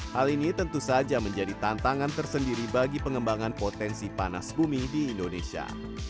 hal ini tentu saja menjadi tantangan tersendiri bagi pengembangan potensi panas bumi di indonesia